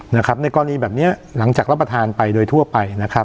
ในกรณีแบบนี้หลังจากรับประทานไปโดยทั่วไปนะครับ